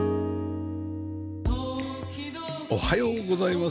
おはようございます。